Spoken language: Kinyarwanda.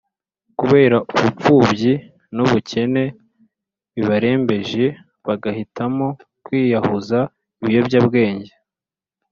kubera ubupfubyi n’ubukene bibarembeje, bagahitamo kwiyahuza ibiyobyabwenge.